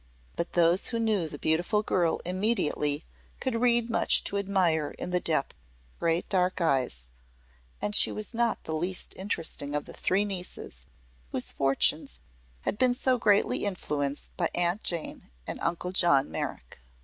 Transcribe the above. But those who knew the beautiful girl intimately could read much to admire in the depth of her great dark eyes, and she was not the least interesting of the three nieces whose fortunes had been so greatly influenced by Aunt Jane and Uncle John Merrick.